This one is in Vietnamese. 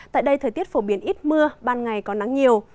tại đây thời tiết phổ biến ít mưa ban ngày có nắng nhiều